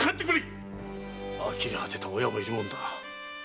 あきれ果てた親もいるもんだ。